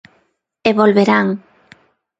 E volverán.